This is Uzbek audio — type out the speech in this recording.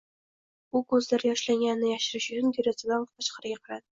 U ko'zlari yoshlanganini yashirish uchun derazadan tashqariga qaradi.